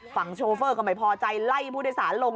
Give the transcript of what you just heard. โชเฟอร์ก็ไม่พอใจไล่ผู้โดยสารลง